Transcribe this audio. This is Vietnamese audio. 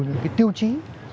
những tiêu chí